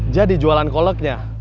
jadi jualan koleknya